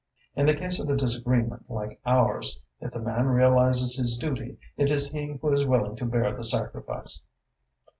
In the case of a disagreement like ours, if the man realises his duty, it is he who is willing to bear the sacrifice."